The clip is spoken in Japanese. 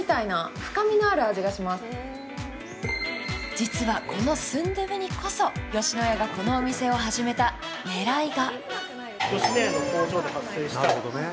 実はこのスンドゥブにこそ吉野家がこの店を始めた狙いが。